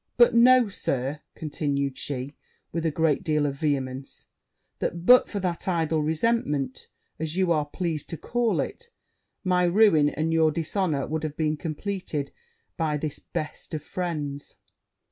But know, Sir,' continued she, with a great deal of vehemence, 'that, but for that idle resentment, as you are pleased to call it, my ruin and your dishonour would have been compleated by this best of friends.'